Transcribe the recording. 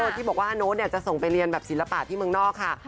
ที่บอกว่าโน๊ตจะส่งไปเรียนแบบศิลปะที่เมืองนอกค่ะ